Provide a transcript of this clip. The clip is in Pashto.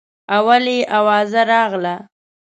اول یې اوازه راغله.